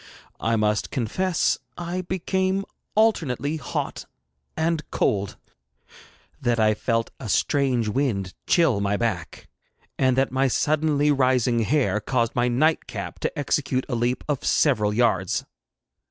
I must confess I became alternately hot and cold, that I felt a strange wind chill my back, and that my suddenly rising hair caused my night cap to execute a leap of several yards.